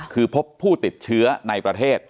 คือพบผู้ติดเชื้อในประเทศ